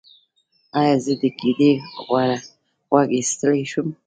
ایا زه د ګیډې غوړ ایستلی شم؟